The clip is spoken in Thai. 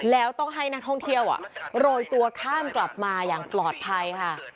แล้วต้องให้นักท่องเที่ยวโรยตัวข้ามกลับมาอย่างปลอดภัยค่ะ